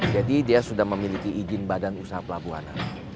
jadi dia sudah memiliki izin badan usaha pelabuhanan